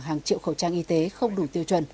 hàng triệu khẩu trang y tế không đủ tiêu chuẩn